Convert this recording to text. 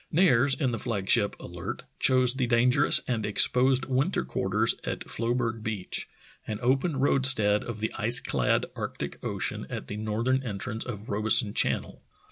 Nares, in the flag ship Alerty chose the dangerous and exposed winter quarters at Floeberg Beach, an open roadstead of the ice clad Arctic Ocean at the northern entrance of Robeson Channel.